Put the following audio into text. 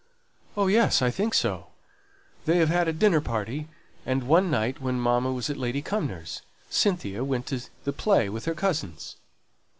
"Oh, yes, I think so. They've had a dinner party; and one night, when mamma was at Lady Cumnor's, Cynthia went to the play with her cousins."